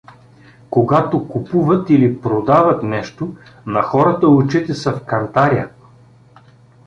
Когато купуват или продават нещо, на хората очите са в кантаря.